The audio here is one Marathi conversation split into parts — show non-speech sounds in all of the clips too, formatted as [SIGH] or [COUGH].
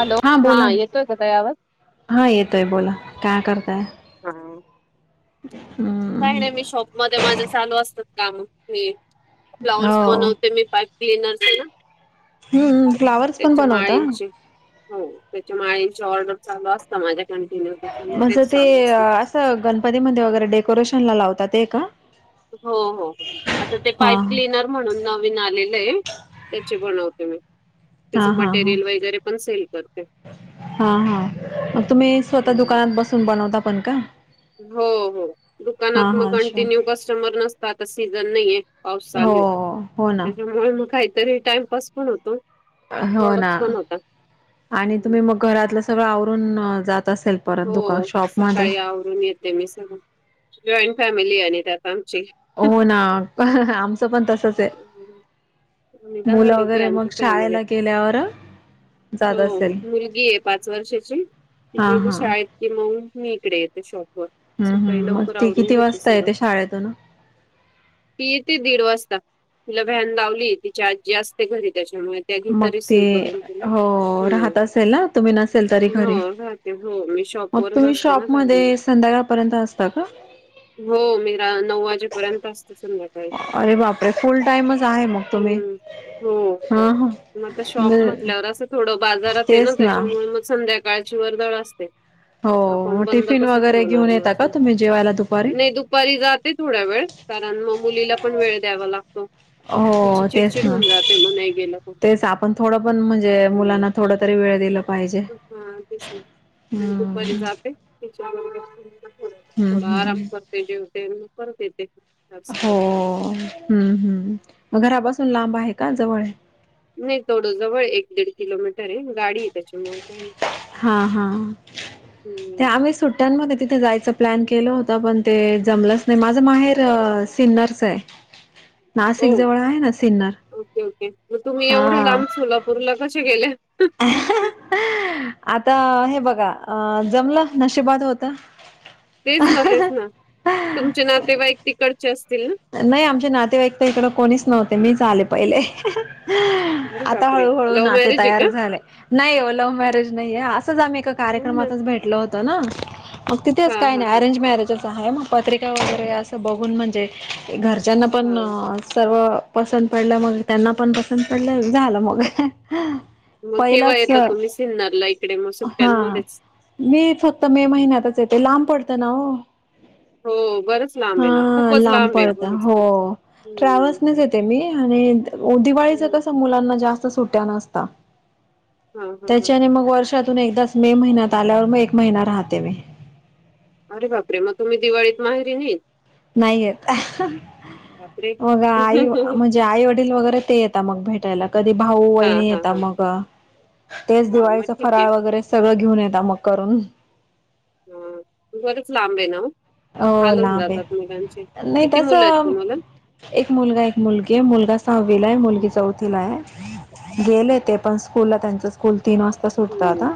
हॅलो, हा बोला ना येतोय का ताई आवाज? हा येतोय बोला, काय करताय? हा हम्म. काही नाही मी शॉप मध्ये माझे चालू असतात काम मी फ्लावर्स हो बनवते मी पाईप क्लीनरस ना. हम्म फ्लावर्स पण त्याच्या बनवता? माळींचे हो त्याच्या माळींच्या ऑर्डर चालू असतं माझ्या कंटिन्यू तेच चालू असतं. मध्ये मध्ये वगैरे डेकोरेशन लावता ते का? हो हो हो आता ते हा पाईप क्लीनर म्हणून नवीन आलेलं आहे त्याचे बनवते मी. हा त्याचं हा हा मटेरियल वगैरे पण सेल करते. हा हा मग तुम्ही स्वतः दुकानात बसून बनवता पण का? हो हो. हा दुकानात मग हा कंटिन्यू शॉप कस्टमर नसतात आता सीझन नाहीे आहे पाऊस हो चालू आहे. हो ना त्याच्यामुळ मग काहीतरी टाइमपास पण होतो. हो ना प्रॉडक्ट्स पण होता. आणि तुम्ही मग घरातलं सगळं आवरून जात असेल परत दुका हो शॉपमध्ये. सकाळी आवरून ये ते मी सगळं जॉईंट फॅमिली आणि त्यात आमची. हो ना, आमचं पण तसंच आहे. आम्ही दहा मुलं लोक आहे वगैरे मग आमची फॅमिलीत. शाळेला गेल्यावर हो, जात असेल मुलगी आहे पाच वर्षाची ती हा गेली हा शाळेत हम्म की मग मी इकडे येते शॉपवर. हम्म सकाळी हम्, मग लवकर ती आवरून किती घेते वाजता सगळं. येते शाळेतून? ती येते दीड वाजता तिला व्हॅन लावली तिची आजी अस ते घरी त्याच्यामुळे त्या मग घेता ते रिसिव्ह करून तिला, हो हम्म, राहत असेल ना तुम्ही नसेल तरी घरी हो ना. हो मी मग शॉपवरच तुम्ही असते ना कारण शॉपमध्ये संध्याकाळपर्यंत असता का? हो मी नऊ वाजेपर्यंत असते संध्याकाळी. अरे बापरे! फुल टाइमच आहे मग तुम्ही? हम्म. हो. हा ह. मग आता शॉप म्हटल्यावर असं थोडं बाजारात आहे ना त्याच्यामुळे मग संध्याकाळची वर्दळ अस ते हो आपण मग बंद टिफिन कसं वगैरे ठेवणार घेऊन ना? येता का तुम्ही जेवायला दुपारी नाही दुपारी जा ते थोडावेळ कारण मग मुलीला पण वेळ द्यावा लागतो. तिची हो, तेच चिडचिड ना, होऊन जाते मग नाही गेलं तर. तेच आपण थोडं पण म्हणजे हो. मुलांना थोडा तरी वेळ दिला पाहिजे. हां तेच ना. मग हम्! दुपारी जाते हम्म थोडा आराम हम्म. करते जेवते, मग परत येते. चार हो, साडेचारला. हम्म हम्म! मग घरापासून लांब आहे का जवळ आहे? नाही थोडं जवळ एक दीड किलोमीटर आहे, गाडी आहे त्याच्यामुळं काही नाही. हा हा, ते हम्म. आम्ही सुट ट्ट्यांमध्ये तिथे जायचं प्लॅन केलं होत पण ते जमलंच नाही माझं माहेर सिन्नरचं आहे. ओ नाशिक जवळ आहे ना सिन्नर. Okay okay! मग तुम्ही एवढ्या हा लांब सोला पुरला कसे गेल्या? आता हे बघा जमलं नशिबात होतं. तेच ना तेच ना तुमचे नातेवाईक तिकडचे असतील ना? नाही आमचे नातेवाईक तर इकडं कोणीच नव्हते मीच आले पहिले. अरे आता बापरे! हळूहळू लव्ह नाते मॅरेज आहे तयार का? झाले. नाही ओ लव्ह मॅरेज नाहीय असंच आम्ही एका हो ना. कार्यक्रमातच भेटल होतं ना. मग तिथेच हां, काही हां, नाही हां. अरेंज मॅरेजच आहे मग पत्रिका वगैरे असं बघून म्हणजे घरच्यांना पण हां. सर्व पसंत पडलं, मग त्यांना पण पसंत पडलं, झालं मग. मग केव्हा पहिलाच येता तुम्ही सिन्नरला इकडे मग हा. सुट्ट्यांमध्येच? मी फक्त मे महिन्यातच येते लांब पडतं ना ओ. हो बरंच लांब आहे ना, हा खूपच लांब आहे. पडतं बरंच लांब. हो, हं, ट्रॅव्हल्सनच येते मी आणि दिवाळीच हं. कसं मुलांना जास्त सुट्ट्या नसता हां, हां, हां. त्याच्यानी मग वर्षा तून एकदाच मे महिन्यात आल्यावर मग एक महिना राहते मी. अरे बापरे! मग तुम्ही दिवाळीत माहेरी नाही? नाही येत, बापरे! मग आई म्हण जे आईवडील वगैरे ते येतता मग भेटायला. कधी भाऊ हां, वहिणी हां, येता हां. मग तेच हां, मग दिवाळीचं ठीक आहे. फराळ वगैरे सगळं घेऊन येता मग करून. हम्म बरंच लांब आहे ना ओ? हो हालवून लांब जातात आहे मुलांचे, नाही किती मुलं आहेत तसं तुम्हाला? एक मुलगा, एक मुलगी आहे मुलगा सहावीला आहे, मुलगी चौथीला आहे, गेले ते पण स्कूल त्यांच्या स्कूल तीन वाजता सुटत हम्म. आता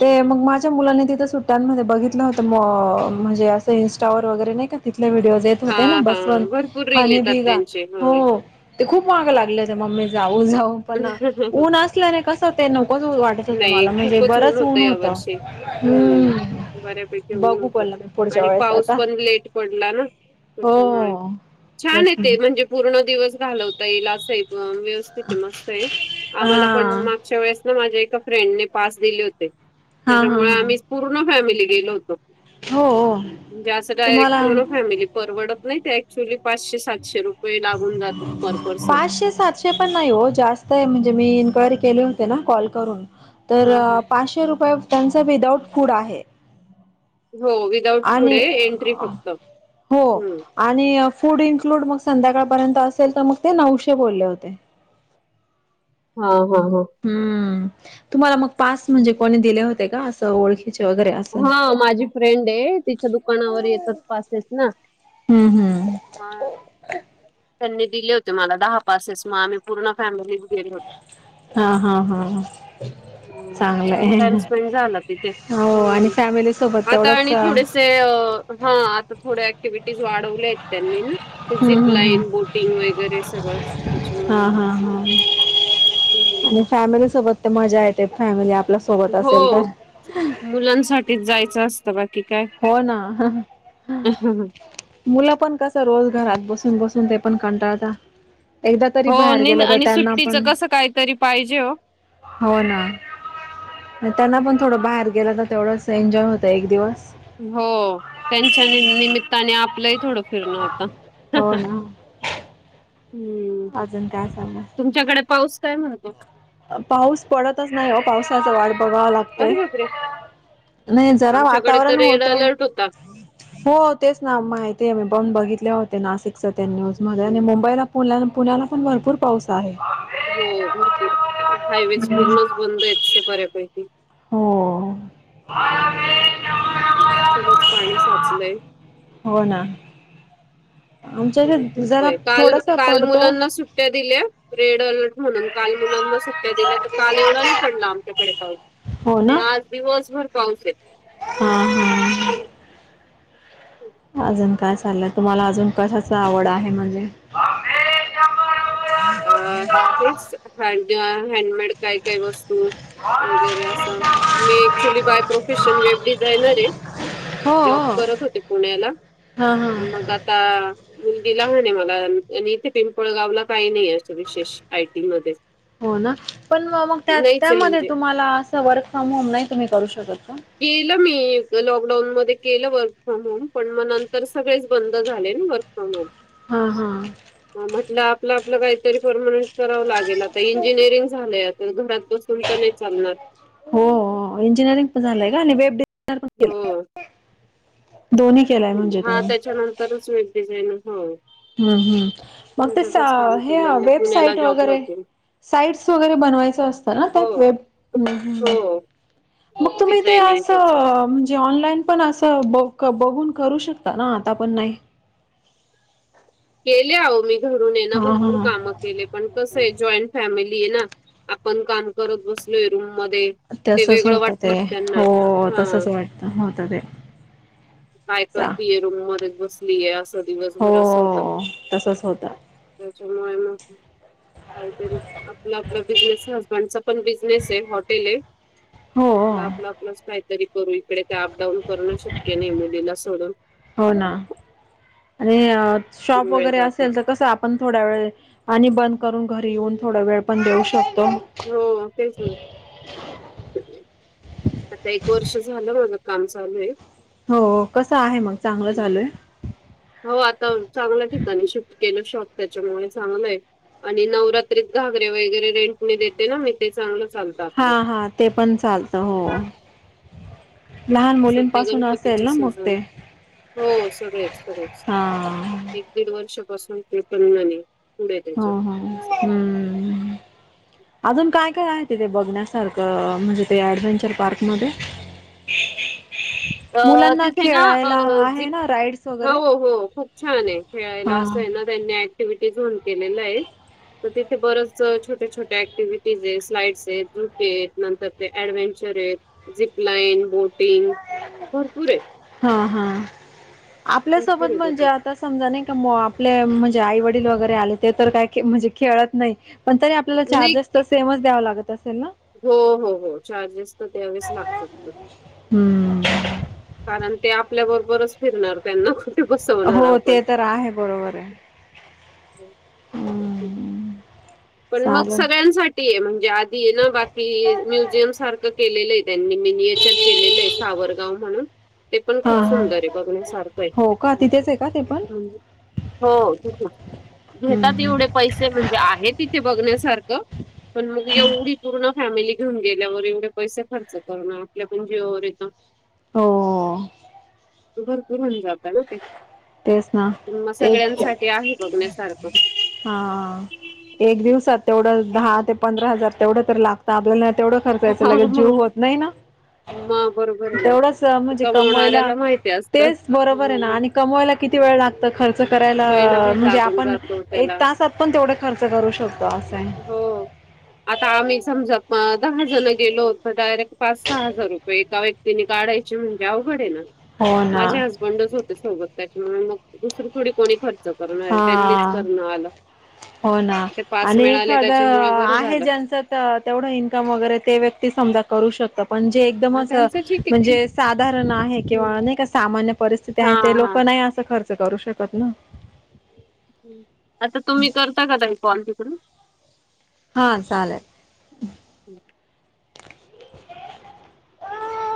ते मग माझ मुलांनी तिथ सुट्ट्या मध्ये बघितलं होत म्हणजे असं इंस्टा वगैरे नाही का तिथले व्हडिओ देत हा, होते ना हा. बसवंत भरपूर रील आणि येतात बिगा, त्यांचे. हं. हो. ते खूप माग लागले होते मम्मी जाऊ, जाऊ पण ऊन असल्याने कसं ते नकोच वाट नाही खूपच ऊन होतं या वर्षी, हम्म, बऱ्यापैकी ऊन बघू होत. पण मी पुढच्या आणि वेळेस पाऊस आता पण लेट पडला ना त्याच्यामुळे हो छान तेच आहे ना ते म्हणजे पूर्णा दिवस घलता येईल असे हे व्यवस्थित हे, मस्त आहे हा आम्हाला पण मागच्या वेळेस ना माझ्या एका फ्रेंडने पास दिले होते. हा हा त्याच्यामुळे हा आम्ही पूर्ण फॅमिली गेलो होतो. हो म्हणजे अस डायरेक्ट तुम्हाला पूर्ण फॅमिली परवडत नाही त्या चुली पाचशे सातशे रुपये लागून जातात पर पर्सन. विशे सात [UNINTELLIGIBLE] सातशे पण नाही हो जास्त आहे म्हणजे मी इन्क्वायरी केले होते ना कॉल करून तर हा हा पाचशे रुपये त्यांचं विदाउट फूड आहे. हो विदाउट फुड आणि आहे एंट्री फक्त हो आणि फूड इन्क्लूड मग संध्याकाळपर्यंत असेल तर मग ते नऊशे बोलले होते. हा हा हा. हम्म, तुम्हाला मग पास म्हणजे कोणी दिले होते का अस ओळखिचे? हा माझी फ्रेंड आहे तिच्या दुकानावर येतात पासेस ना हम्म, हम्म. मग. त्यांनी दिले होते मला दहा पासेस मग आम्ही पूर्ण फॅमिली गेलो होतो. हा हा हा हम्म छान चांगलंय. टाइम स्पेंड झाला तिथे हो आणि हम्म. फॅमिली सोबत तेवढंच. ह आता थोड्या ऍक्टिव्हटीज वाढवल्यात त्यांनी ते झिप हम्म हम्म लाईन ब बोटिंग वगैरे सगळ. हा हा हा हम्म आणि फॅमिली सोबत ते मजा येते फॅमिली सोबत हो असेल तर मुलांसाठीच जायचं असतं ब बाकी काय? हो ना मुलं पण कस रोजगारात घरात बसून, बसून ते पण कंटाळता एकदा तरी हो बाहेर नाही गेला तर आणि त्यांना सुट्टीचं पण कसं काहीतरी पाहिजे हो हो ना. त्यांना पण थोडं बाहेर गेलं तर तेवढ एन्जॉय होतं एक दिवस. हो त्यांच्या निमित्ताने आपलंही थोडं फिरण होता, हो ना हम्म. अजून काय सांगणार तुमच्याकडे पाऊस काय म्हणतो? पाऊस पडतच नाही हो पावसाचा वाट बघावा लागत ते अरे बापरे नाही जरा आमच्याकडे तर वातावरण रेड होत. अलर्ट होता हो तेच ना माहिती आहे मी पण बघितले होते नाशिकच त्या न्यूज मध्ये आणि हम्म मुंबईला पुण्या, पुण्याला पण भरपूर पाऊस आहे. हो भरपूर हायवेज पूर्णच बंद येत बऱ्यापैकी. हो. सगळंच पाणी साचलय हो ना आमच्या इथे जरा काल थोडस काल पडतो मुलांना सु- सुट्टा दिल्या. रेड अलर्ट म्हणून काल मुलांना सुट्ट्या दिल्या, तर काल एवढा नाही पडला आमच्याकडे पाउस. हो आणि ना आज दिवसभर पाऊस. हा हम् [INAUDIBLE] अजून काय चाललंय, तुम्हाला अजून कशाच आवड आहे म्हणजे, अ हेच [UNINTELLIGIBLE] हँडमेड काय काय वस्तू- वगैरे असा, मी क्च्युली बाय प्रोफेशन लेफ डिझायनर - हो जॉब करत होते पुण्याला हा हा मग आ- आता मुलीला लहान आहे ना मला, आणि इथे पिंपळगावला- काही नाही असं विशेष आयटी मध्ये. हो ना पण मग त्या नाहीच आहे त्यामध्ये म्हणजे तुम्हाला असं वर्क फ्रॉम होम नाही तुम्ही करू शकतं. केलं मी लॉकडाऊन मध्ये केलं वर्क फ्रॉम होम पण मग नंतर सगळेच बंद झाले ना. होय हा हा मग म्हटलं आपलं आपलं काहीतरी परमनंट करावं लागेल, आता इंजिनिअरिंग झालंय घरात. घरात बसून पण नाही चालणार. हो इंजिनिअरिंग पण झालंय का? आणि वेब डिझानर पण केलं. हो दोन्ही. केलाय म्हणजे हा तुम्ही त्याच्यानंतरच वेब डिझाईनर झाले. हम्म हम् मग ते काम हे केलेलं पुण्याला वेबसाईट जॉबला वगैरे. होते. साईट्स वगैरे बनवायचं असतं ना हो. त्यात वेब. हो हो मग तुम्ही ते डिझायनिंग त्याचं. असं. जे ऑनलाईन पण असं बघून करू शकता ना, आता पण नाही. केले आहो मी घरून ये ना हा भरपूर हा काम. केले पण कस आहे जॉईंट फॅमिली आहे ना, आपण काम करत बसलोय रूम मध्ये. ते तसच वेगळं होतं ते वाटतं त्यांना. हो हा तसच वाटत होत ते. काय करतीय रूम मध्येच बसलीय असं दिवसभर असं होत. हो तसच होत त्याच्यामुळे मग काहीतरी आपला आपला बिझनेस हजबंड पण बिझनेस आहे हॉटेल आहे. हो आपलं आपलं आपलंच काहीतरी करू इकडे ते अपडाऊन करणं शक्य नाही मुलीला सोडून. हो ना आणि शॉप भरपूर वेळ वगैरे जातो. असेल तर कसं पण थोड्या वेळ आणि बंद करून घरी येऊन हम्म. थोडा वेळ पण देऊ शकतो. हो तेच आता एक वर्ष झालं माझ काम चालू आहे. हो कसं आहे मग चांगलं चालूय. हो आता चांगल्या ठिकाणी शिफ्ट केलं शॉप, त्याच्यामुळे चांगलं आहे. आणि नवरात्रीत घागरे वगैरे रेंटने देते ना मी. ते चांगलं चालतं आपलं. हा हा ते पण चालतं हो लहान सध्या मुलींपासून असेल गणपतीचे ना मग सीझन ते. हो सगळेच सगळे हा एक दीड वर्षपासून ते पनाने. हा हा हम्म अजून काय काय आहे तिथे बघण्यासारखं म्हणजे ते ऍडव्हेंचर पार्क मध्ये? तअ मुलांना तिथे ना अ, खेळायला आहे झिक ना राईड्स हो वगैरे हो खूप छान आहे खेळायला हा असंय ना. त्यांनी ऍक्टिव्हटी झोन केलेलं आय. तर तिथे बरंच छोट्या छोट्या ऍक्टिव्हिटीजएत, स्माईल्सएत, झुटीएत, नंतर ते ऍडव्हेंचर आहेत, झिपलाईन, बोटिंग, भरपूर आहेत. हा हा भरपूर आपल्यासोबत आहे म्हणजे. तिथे. आत तर समजा नाही का मो आपले म्हणजे आई वडील वगरे आले ते तर काय के म्हणजे खेळत नाहीत. पण तरी आपल्याला नाही चार्जेस तर सेमच द्यावा लागत असेल ना? हो हो हो हो चार्जेस तर दयावेस लागतातं. हम्म. कारण ते आपल्याबरोबरच फिरणार त्यांना कोओण हो ते तर आहे बरोबराय. हम्. पण मग सगळ्यांसाठी आहे म्हणजे आधी आहे ना बाकी म्युझियम सारखं केलेलं आहे त्यांनी. मी याच्यात केलेलं आहे सावरगाव म्हणून ते पण हा खूप हा सुंदरय बघण्यासारखं आहे. हो का, तिथेच आहे का? ते पण हं, हो तिथे, घेतात हम्म येवढे पैसे म्हणजे आहे तिथे ते बघण्यासारखं पण मग एवढी पूर्ण फॅमिली घेऊन गेल्यावर एवढे पैसे खर्च करणं आपल्या पण जीवावर येतं. होओओ. भरपूर हुन जाता ना ते. तेच ना तुम्हा एक सगळ्यांसाठी आहे बघण्यासारखं. हा. एक दिवसात तेवढं दहा ते पंधरा हजार तेवढं तर लागतं आपल्याला तेवढं खर्चायचं हा लगे जीव मग होत नाही ना. मग बरोबर आहे ना तेवढसं म्हणजे कमवायला कमवणाऱ्याला माहिती असतं. तेच हा, बरोबर आहे ना मग आणि कमवायला किती वेळ लागतं खर्च करायलाआ महिनाभर म्हणजे लागून आपण जातो एक त्याला तासात पण तेवढे खर्च करू शकतो असंय हो. आता आम्ही समजा पा दहा जण गेलो होत डायरेक्ट पाच सहा हजार रुपये एकावेळी तिने गाडायची म्हणजे अवघड एना. हो ना माझे हजबंडच होते सोबत त्याच्या मग दुसरीकडे कोणी फत जगणंय त्यांनीच हा करणं आलं. हो ना, ते पास आणि मिळाले एखादं त्याच्यामुळे बरं आहे झालं ज्यांच तं तेवढं इन्कम वगेरे ते व्यक्ती समजा करू शकतं पण जे हा एकदमच अ त्यांचं ठीक आहे म्हणजे खूप साधारण आहे किंवा नैका सामान्य परिस्थिती हा आहे ते हा लोकं नाही असं खर्र त करू शकत ना? आता तुमी करता का ताई पॉल तिकडून? हा चालेल.